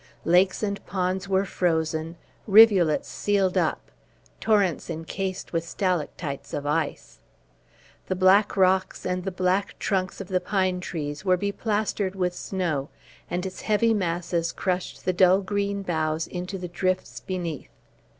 Lakes and ponds were frozen, rivulets sealed up, torrents encased with stalactites of ice; the black rocks and the black trunks of the pine trees were beplastered with snow, and its heavy masses crushed the dull green boughs into the drifts beneath.